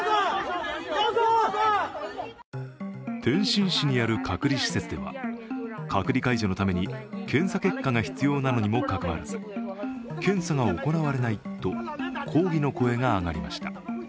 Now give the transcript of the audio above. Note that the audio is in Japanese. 天津市にある隔離施設では隔離解除のために検査結果が必要なのにもかかわらず、検査が行われないと抗議の声が上がりました。